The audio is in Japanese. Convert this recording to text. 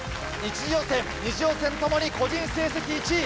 １次予選２次予選ともに個人成績１位。